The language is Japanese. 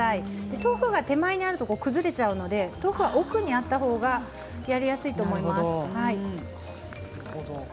豆腐が手前にあると崩れちゃうので豆腐は奥にやったほうがやりやすいと思います。